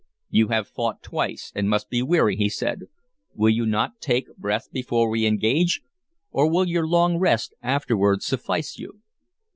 "You have fought twice, and must be weary," he said. "Will you not take breath before we engage, or will your long rest afterward suffice you?"